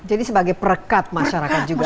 jadi sebagai perekat masyarakat juga